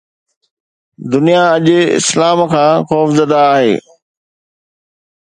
دنيا اڄ اسلام کان خوفزده آهي.